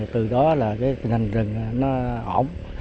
từ đó là tình hình rừng nó ổn